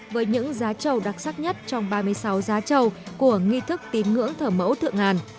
với những giá trầu đặc sắc nhất trong ba mươi sáu giá trầu của nghi thức tín ngưỡng thờ mẫu thượng ngàn